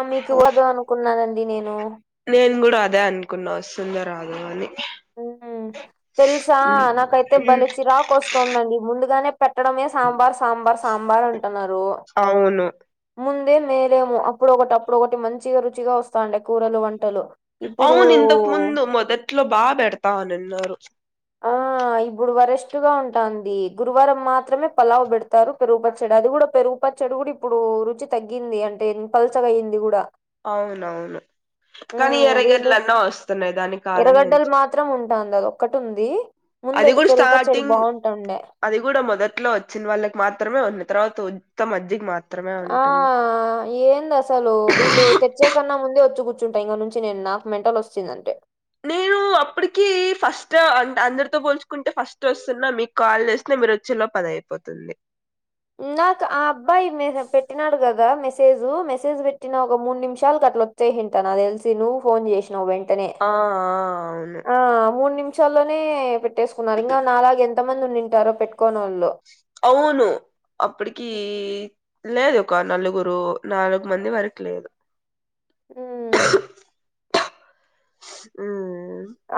ఆమెకి ఊడదు అనుకున్నానండి నేను నేను కూడా అదే అనుకున్నా వస్తుందో రాదు అని హమ్ తెలుసా నాకైతే బలే చిరాకు వస్తుందండి ముందుగానే పెట్టడమే సాంబార్ సాంబార్ సాంబార్ అంటున్నారు అవును ముందే మేలేమో అప్పుడు ఒకటి అప్పుడు ఒకటి మంచిగా రుచిగా వస్తాండే కూరలు వంటలు ఇప్పుడు అవును ఇంతకు ముందు మొదట్లో బాగా పెడతా అని అన్నారు ఆ ఇపుడు వరస్ట్ గా ఉంటుంది గురువారం మాత్రమే పలావు పెడతారు పెరుగు పచ్చడి అది కూడా పెరుగు పచ్చడి కూడా ఇప్పుడు రుచి తగ్గింది అంటే పల్చగా అయ్యింది కూడా అవునవును కానీ మ్మ్ వీళ్ళు ఎర్రగడ్ల అన్నా వస్తున్నాయి దానికి ఎర్రగడ్డలు ఆనందించూ మాత్రం ఉంటుంది అది ఒక్కటి ఉంది ముందు అది అయితే కూడా పెరుగు పచ్చడి స్టార్టింగ్ బాగుంటుండే అది కూడా మొదట్లో వచ్చిన వాళ్ళకి మాత్రమే ఉన్నాయి తర్వాత వత్త మజ్జిగా మాత్రమే ఆ ఉంటుంది ఏంది అసలు వీళ్ళు ఉంటె కొంచెం సేపు ముందే వచ్చి కూర్చుంటా ఇగా నుంచి నేను నాకు మెంటల్ వచ్చిందంటే నేను అప్పటికి ఫస్ట్ అంటే అందరితో పోల్చుకుంటే ఫస్ట్ వస్తున్నా మీకు కాల్ చేసిన మీరు వచ్చేలోపల అయిపో పోతుంది నాకు ఆ అబ్బాయి మె పెట్టినాడు కదా మెసేజ్ మెసేజ్ పెట్టిన ఒక మూడు నిమిషాలు అట్లా వ్ హంటా నాక్ తెలిసి నువ్వు ఫోన్ చేసినావ్ వెంటనే ఆ అవును ఆ మూడు నిమిషాల్లోనే పెట్టేసుకున్నారు ఇంకా నాలాగు ఎంత మంది ఉండింటారో పెట్టుకోని వాళ్ళు అవును అప్పడికీ లేదు ఇంకో నలుగురు నాలుగు మంది వరకు లేదు ఉ ఉ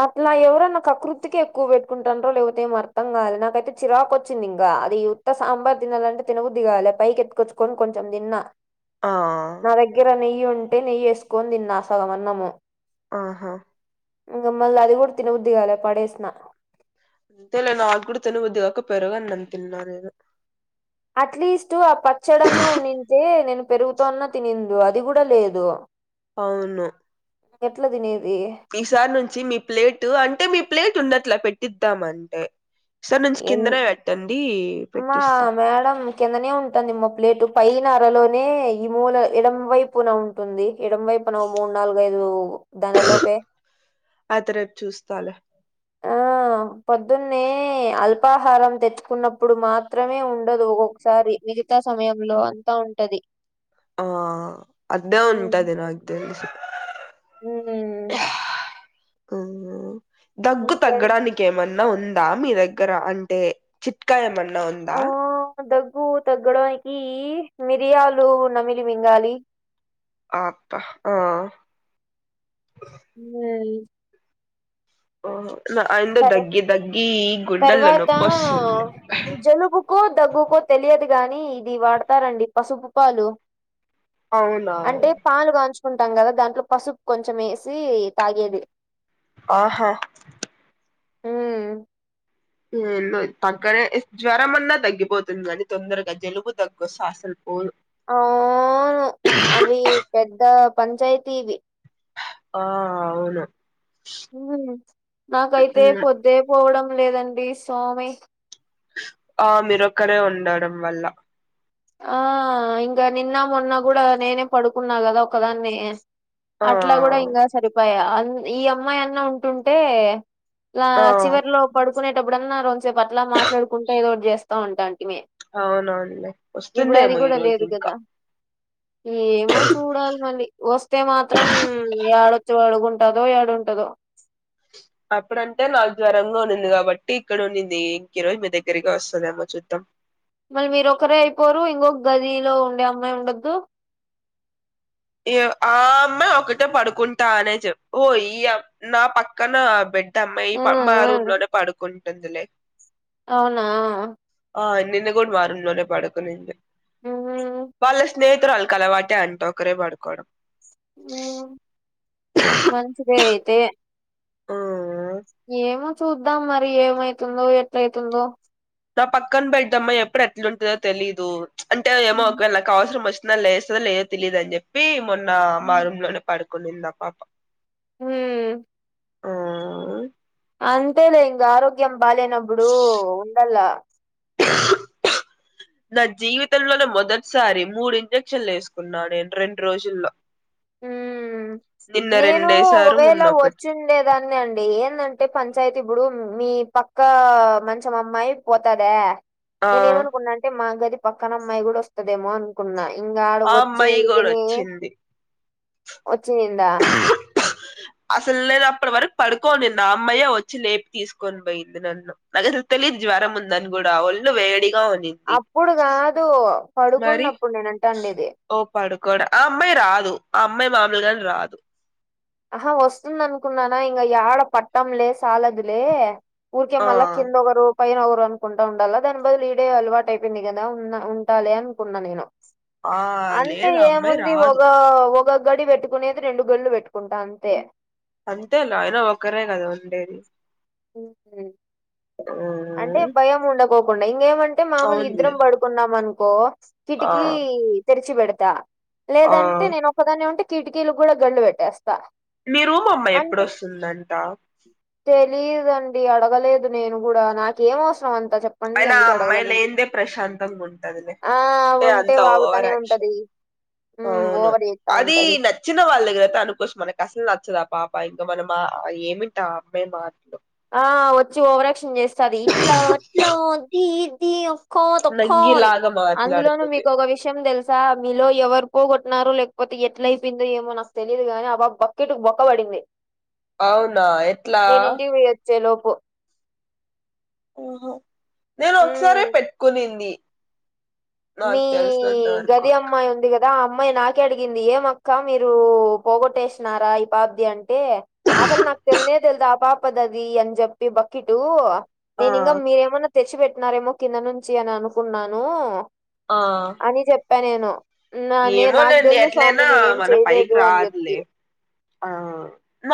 అట్లా ఎవరైనా కక్కుర్తి కిఎక్కువ పెట్టుకుంటాంరా లేకపోతే ఏం అర్థం కాలేదు నాకైతే చిరాకు వచ్చింది ఇంకా అది అత్త సాంబార్ తినాలంటే తినబుద్దీగాలే పైకి ఎతుకొచ్చుకొని కొంచెం తిన్న ఆ నా దగ్గర నెయ్యి ఉంటే నెయ్యి వేసుకొని తిన్నా సగమన్నము ఆహా ఇంకా మళ్ళీ అది కూడా తినబుద్ది గాలే పడేసిన అంతేలే నాకు కూడా తినబద్దుగాక పెరుగన్నం తిన్నా నేను అట్లీస్ట్ ఆ పచ్చడ అన్నా ఉండింటే నేను పెరుగుతో అన్నా తినిందు అది కూడా లేదు అవును ఎట్లా తినేది ఈసారి నుంచి మీ ప్లేట్ అంటే మీ ప్లేట్ ఉన్నట్లా పెట్టిద్దాం అంటే ఈ సార్ నుంచి ఎన్ కిందనే పెట్టండి మా పెట్టిస్తాం మేడం కిందనే ఉంటుంది మ ప్లేటు పైన అరలోనే ఈ మూల ఎడం వైపున ఉం ఉంటుంది ఎడం వైపు న ఓ మూడు నాలుగు ఐదు దనిలోపే అది రేపు చూస్తాలే ఆ పొద్దున్నే అల్పాహారం తెచ్చుకున్నప్పుడు మాత్ మాత్రమే ఉండదు ఒక్కొక్కసారి మిగతా సమయంలో అంతా ఉంటది ఆ అద్దే ఉమ్. ఉంటాదే నాకు తెలిసి ఉమ్, ఒ దగ్గు ఇంకే తగ్గడానికి ఏమన్నా ఉందా మీ దగ్గర అంటే చిట్కా ఏమన్నా ఉందా ఆ, దగ్గు తగ్గడానికి మిరియాలు నమిలి మింగాలి ఆ అక్క ఆ ఉ ఓ నా అండ్ తర్- దగ్గి దగ్గీ గుండెల్లో తర్వాత నొప్పి వస్సంది జలుబుకో దగ్గుకో తెలియదు గాని ఇది వాడతారండి పసుపు పాలు అవునా అంటే పాలు కాంచుకుంటాం కదా దాంట్లో పసుపు కొంచెం వేసి తాగేది ఆహా ఆ తగ్గనే జ్వరంమన్నా తగ్గిపోతుంది కానీ తొందరగా జలుబు దగ్గొస్తే అసలు పోదు ఆ వ్ అవి పెద్ద పంచాయతీవి ఆ అవును నాకైతే ఉమ్, పొద్దే పోవడం లేదండి సోమి ఆ మీరొక్కరే ఉండడం వల్ల ఆ ఇంకా నిన్న మొన్న కూడా నేనే పడుకున్నా కదా ఒకదాన్ని ఆ అట్లా కూడా ఇంకా సరిపోయా అ ఈ అమ్మాయి అన్న ఉంటుంటే ఇలా ఆ చివరిలో పడుకునేటప్పుడున్నా రెంసేపు అట్లా మాట్లాడుకుంటే ఏదో ఒకటి చేస్తా ఉంటా అంటి మే అవునవునులే ఇప్పుడు అది వస్తుందేమో ఈ కూడా రోజు లేదు ఇంకా కదా ఏమో చూడాలి మళ్ళి వస్తే మాత్రం ఏడొచ్చి పడ్ టదో ఏడుంటదో అప్పుడంటే నాకు జ్వరంగా ఉన్నింది కాబట్టి ఇక్కడ ఉన్నింది ఇంక రోజు మీ దగ్గరికే వస్తదేమో చూద్దాం మళ్ళీ మీరు ఒకరే అయిపోరు ఇంకొక్ గదిలో ఉండే అమ్మాయి ఉండోద్దు ఆ అమ్మె ఒకటే పడుకుంటా అనే చెప్పు ఇయ్ నా పక్కన బిడ్ ఆ డ్డమైమా ఆ రూమ్ లోనే పడుకుంటుందిలే అవునా ఆ నిన్న కూడి మా రూమ్ లోనే పడుకునింది మ్మ్ వాళ్ళ స్నేహితురళ్ కలవాటే అంట ఒకరే పడుకోవడం ఆ మంచిదే అయితే ఆ ఏమో చూద్దాం మరి ఏమైతుందో ఎట్లైతుందో నా పక్కన బెడ్డమ్మాయ్ ఎప్పుడు ఎట్లుంటదో తెలీయదు అంటే ఏమో ఒకవేళ నాకు అవసరం వచ్ న లేస్తదో లేదో తెలీయదని చెప్పి మొన్న మా ఉమ్ రూమ్ లోనే పడుకునింది ఆ పాప మ్ అంతేలే ఇంగ ఆరోగ్యం బాలేనప్పుడు ఉండల్ల ఊక్ నా జీవితంలోనే మొదటిసారి మూడు ఇంజక్షన్లు వేసుకున్నా నేను రెండు రోజుల్లో మ్ నిన్న నేను రెండేసారు ఒకవేళ మొన్న ఒకటి వచ్చిండేదాన్ని అండి ఎం దంటే పంచాయతీ ఇప్పుడు మీ పక్కా మంచం అమ్మాయి పోతదా ఆ నేను ఏమనుకున్నా అంటే మా గది పక్కన అమ్మాయి కూడా వస్తదేమో అన్ కున్నా ఇంగ ఆ ఆడకోచ్చి అమ్మాయి కూడా ఊరికనే వచ్చింది వచ్చినిందా అసలు నేను అప్పటి వరకు పడుకోనిన్న ఆ అమ్మాయే వచ్చి లేపి తీసుకొని పోయింది నన్ను అసలు తెలియదు జ్వరం ఉందని కూడా ఒళ్ళు వేడిగా ఉనిం అప్పుడు కాదు పడుకున్నప్పుడు నేన అంటండేది ఓ పడుకోడ్ ఆ అమ్మాయి రాదు ఆ అమ్మాయి మామూలుగానే రాదు ఆహా వస్తుందనుకున్నానా ఇంగ యాడ పట్టంలే సాలదులే ఊరికె ఆ మల్ల కిందోకరు పైన ఒకరనుకుంటా ఉండాలా దాని బదులు ఈడే అలవాటు అయిపోయింది కదా ఉన్నా ఉండాలి అనుకున్నా నేను ఆ అంటే లేదు ఆ అమ్మాయి ఏముంది రాదు ఒక ఒక గది పెట్టుకునేది రెండు గడ్లు పెట్టుకుంటా అంతే అంతే అయినా ఒకరే కదా ఉండేది ఉ ఆ అంటే భయం ఉండకో కుండా ఇంకేమంటే మామూలుగ ఇద్దరం అవునులే పడుకున్నాం అనుకో ఆ కిటికీ తెరిచి పెడుతా ఆ లేదంటే నేను ఒకదాన్నే ఉంటే కిటికీలు కూడా గళ్డ్లు పెట్టేస్తా మీ రూమ్ అమ్మాయి ఎప్పుడోస్తుందంట తెలిదండి అడగలేదు నేను కూడా నాకేం అవసరం అంత చెప్ అయినా ఆ అమ్మాయి లేనిదే ప్రశాంతంగా ఉంటందిలే ఆ! ఉంటే అంత వాగుతానే ఉంటది. ఓవరక్షన్ హ్మ్. అవును ఓవర్ జేత్తా అది ఉంటది. న నచ్చిన వాళ్ళ దగ్గర అయితే అనుకోవచ్చు మనకి అసలు నచ్చదు ఆ పాప ఇకా మనం ఆ ఏమిటి ఆ అమ్మాయి మాటలు ఆ వచ్చి ఓవరాక్షన్ చేస్తది ఇట్లా అట్ల అది ఇది కాదక్క అని నంగిలాగా అందులోనూ మాట్లాడుతది మీకు ఒక విషయం తెల్ స్స మీలో ఎవరికో పోగొట్టినరు లేకపోతే ఎట్ల అయిపోయిందో ఏమో నాకు తెలియదు గానీ ఆ పాప్ బక్కెట్ బొక్క పడింది ఆ నేను ఇంటికి పోయి వచ్చే లోపు ఆహా నేను ఒకసారే హ్మ్. పెట్టుకునింది మీ నాకు తెలిసినంత వరకు గది అమ్మాయి ఉంది కదా దా అమ్మాయి నాకే అడిగింది ఏమక్క మీరు పోగొట్టేసినారా ఈ పాపది అం అంటే అసలు నాకు తెలినే తెలిదు ఆపాపదది అని చెప్పి బక్కిటు ఆ నేను ఇంకా మీరేమన్నా తెచ్చి పెట్టినారేమో కింద నుంచి అని అనుకున్నాను ఆ అని చెప్పా నేను నే నాకు ఏమోలేండి తెలుదు ఎట్లైనా స్వామి నేనేం మన పైకి చేయలేదు అని చెప్పి రాదులే ఆ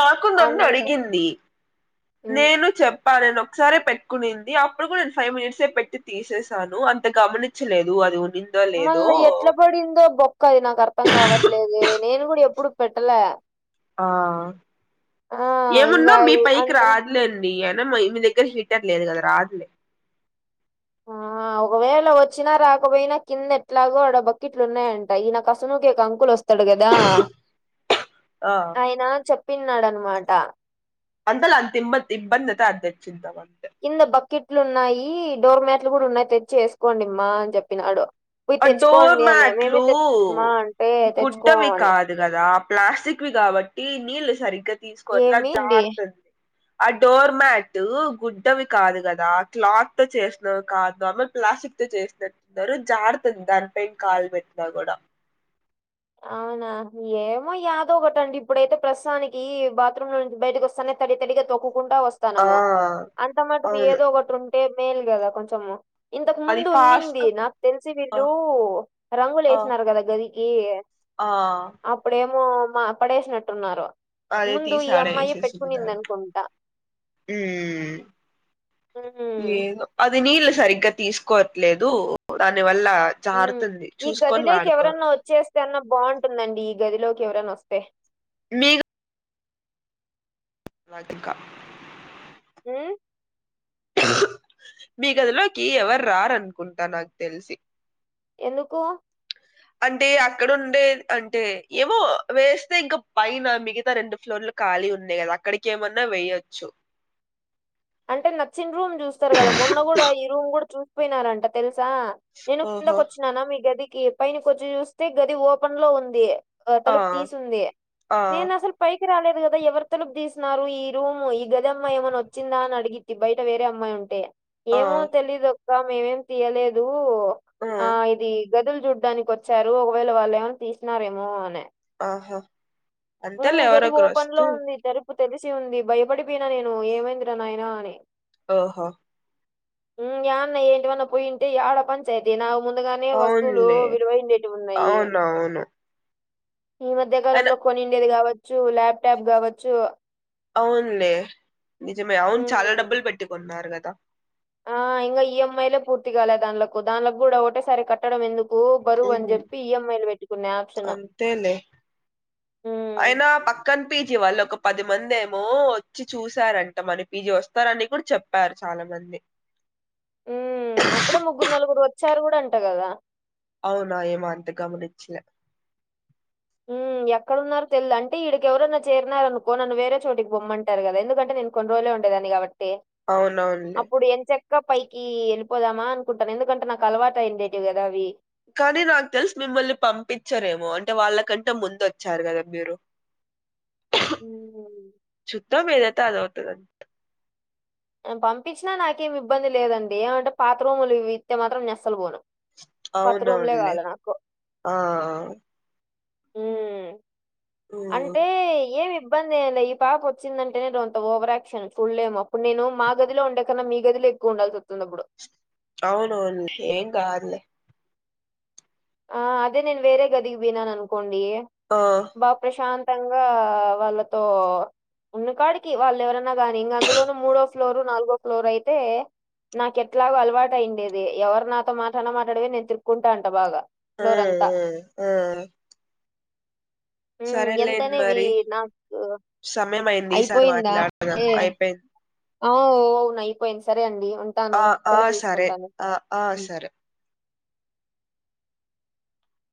నాకు నన్ను అందుకు అడిగింది ఉమ్, నేను చెప్ నేను ఒకసారే పెట్టుకునింది అప్పుడు కూడా నేను ఫైవ్ మినిట్స్ పెట్టి తీసేసాను అంత గమని చ లేదు అది గురించి [unintelligible] మళ్ళ ఎట్ల పడిందో బొక్క అది నాకు అర్థం కావట్లేదే నేను కూడా ఎప్పుడు పెట్టలే ఆ ఆ ఏమున్నా ఇంకా మీ పైకి అంత రాదులేండి అయినా ఇ మీ దగ్గర హీటర్ లేదు కదా రాదులే ఆ ఒకవేళ వచ్చినా రాకపోయినా కింద ఎట్లాగో ఆడ బకేట్లు ఉన్నాయంట ఈ నా అసనుకి అంకులు వస్తాడు కదా దా ఆ ఆయనా చెప్పినాడ అనమాట అంతల అంత ఇ ఇబ్బంది అయితే అది తెచ్చిం ధం అంతే కింద బకెట్లు ఉన్నాయి డోర్మ్యాట్లు కూడా ఉన్నాయి తెచ్చి వేసుకోండిమ్మా అని చెప్పినాడు పోయి ఆ డోర్ తెచ్చుకోండి అనే మేమే మ్యాట్లు తెచ్చుమా అంటే గుడ్డవి తెచ్చుకోమనే కాదు కదా ఆ ప్లాస్టిక్వి కాబట్టి నీళ్లు సరిగ్గా తీసుకోవట్లా ఏమి అండి జారుతుంది ఆ డోర్మ్యాట్ గుడ్డవి కాదు కదా క్లాత్ తో చేసినవి కాదు ఆ ప్లాస్టిక్ చేసినట్టున్నారు జాారుతుంది దానిపై కాలు పెట్టిన కూడా అవునా ఏమో యాదో ఒకటిండి ఇప్పుడైతే ప్రస్తుతానికి బాత్రూమ్ లో నుంచి బయటకి వస్తానే తడి తడిగా తొక్కు కుంటా వస్తుంది ఆ తనము అంత మటుకు అవును ఏదో ఒకటి ఉంటే మేల్ కదా కొంచెము ఇంతకు అది ముందు ఉన్నింది ఫాస్ట్ నాకు తెలిసి ఆ వీళ్ళు రంగులు ఆ వేసినారు కదా గదికి ఆ అప్పుడేమో మా పడేసినట్టున్నారు అదే ముందు తీసి ఈ అమ్మాయి ఆడేసేసుంటారు పెట్టుకునిందనుకుంటా ఉమ్ ఉం ఏదో అది నీళ్లు సరిగ్గా తీసుకోవట్లేదు దాని వల్ల ఉమ్. జారుతుంది చూసుకొని వాడుకో న్నా బాగుంటుందండి ఈ గదిలోకి ఎవరైనా వస్తే మీకు అతక్క [unintelligible] ఉం మీ గదిలోకి ఎవరు రారనుకుంటా నాకు తెలిసి ఎందుకు అంటే అక్కడ ఉండే అంటే ఏమో వేస్తే ఇంకా పైన మిగతా రెండు ఫ్లోర్లు ఖాళీ ఉన్నాయి కదా అక్కడికి ఏమన్నా వెయొచ్చు అంటే నచ్చిన రూమ్ చూస్తారు కదా మొన్న కూడా ఈ రూమ్ కూడా చూ పోయినారంట తెలుసా నేను కిందక ఓహో! వచ్చినానా మీ గదికి పైన కొర్చి చూస్తే గది ఓపెన్ లో ఉంది ఆ! తలుపు తీసింది ఆ! నేను అసలు పైకి రాలేదు కదా ఎవరు తలుపు తీసినన్నారు ఈ రూమ్ ఈ గదిమ్మ ఏమన్నా వ చ్చిందా అని అడిగిట్ బయట వేరే అమ్మాయి ఉంటే ఆ! ఏమో తెలియదక్క మేమేం తీయలేదు దు ఆ ఇది గదులు చూడ్డానికి వచ్చారు ఒకవేళ వాళ్ళు ఏమైనా తీసినారేమో అని ఆహా ఉ అంతేలే ఎవరో గది ఓపెన్ లో ఒకరొస్తే ఉంది తలుపు తెరిసి ఉంది భయపడిపోయిన నేను ఏమైందిర నాయన అని ఓహో ఉమ్ యన్న ఏంటివన్న పోయింటి యడ పన్ తే దిన ముందుగానే వస్తువులు అవునులే. విలువండేవి ఉన్నయి అవునవును. ఈ మధ్య అయినా కాలంలో కొనిండేది కావచ్చు ల్యాప్టాప్ కావచ్చు అవునులే నిజమే అవును చాలా హ్మ్. డబ్బులు పెట్టీ కొన్నారు కదా ఆ ఇంకా ఈఎంఐలే పూర్తిగాలే దాం దాంలకు కూడా ఒకటేసారి కట్టడం ఎందుకు బరువు అని హ్మ్. చెప్పి ఈఎంఐలు పెట్టుకున్న ఆప్షన్ అంతేలే. ఉమ్ కానీ పీజీ వాళ్ళు ఒక పది మంది ఏమో వచ్చి చూసారంట మన పీజీ వస్తరని కూడా చెప్ ప్పారు చాలా మంది ఉమ్ అప్పుడే ముగ్గురు నలుగురు వచ్చారు కూడా అంట కదా అవునా ఏమంత గమనిచ్చలే ఉమ్ ఎక్కడన్నారో తెల్ద అంటే వక్కడి ఎవరైన్నా చేరినార అనుకో నన్న వేరే చోటికి పమ్మంటారు కదా ఎందుకంటే నే కొన్ని రోలే ఉండేదాన్ని కాబట్టి అవునవునులే అప్పుడు ఎంచ ఇంకా పైకి ఏళ్పోదామా అనుకుంటాను ఎందుకంటే నాకు అలవాటయిండేటివి కదా అవి కానీ నాక్ తెలుస్ మిమ్మల్ని పంపించరేమో అంటే వాళ్ళ కంటే ముందు వచ్చారు కదా మీరు హ్మ్. చూద్దాం ఏది అయితే అది అవుతది పంపించినా నాకేమి ఇబ్బంది లేదండి ఏమంటే పాత రూమ్లు ఇవి ఇత్తే మాత్రం నెనస్సలు పోను కొత్త రూమ్లే అవునవునులే కావలె నాకు ఆ ఉమ్ హ్మ్ అంటే ఏమి ఇబ్బంది ఎల్లీ ఈ పాప విందంటే నేను అంత ఓవరాక్షన్ ఫుల్ ఏం అప్పుడు నేను మా గదిలో ఉండే కన్నా మీ గదిలె ఉండాల్సోస్తుందప్పుడు అవును ఏమ్కాదులే ఆ అదే నేన్వేర గదికి పోయిననుకొండి ఆ బా ప్రశాంతంగా వాళ్ళతో ఉన్న కాడికి వాల్లేవరన్న కానీ ఇంకా అందులోనూ మూడో ఫ్లోర్ నాలుగో ఫ్లోర్ అయితే నాక ఎట్లాగు అలవాటు అయిడేది ఎవరు నాతో మాట అన మాట్లాడవేన నేను తిరుకుంటా అంట బాగా ఆ ఆ ఫ్లోరంతా ఆ సరేలేం మరి నాకు సమయం అయింది ఈసారి మాట్లాడదాం అయిపోయింది అవునయిపోయింది సరే అండి ఉంటాను ఆ ఆ సెలవు సరే తీసుకుంటాను ఆ ఆ సరే